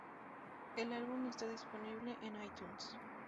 El álbum está disponible en iTunes.